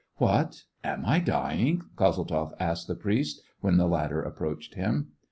" What ! am I dying }" Kozeltzoff asked the priest, when the latter approached him.